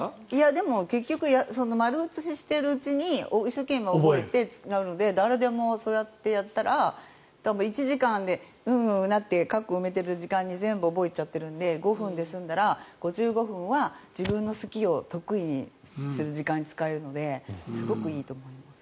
でも、結局丸写ししているうちに一生懸命覚えてなので誰でもそうやってやったら多分、１時間でウンウンうなって括弧を埋めている時間に全部動いちゃってるんで５分で済んだら自分の好きを得意にする時間に使えるのですごくいいと思います。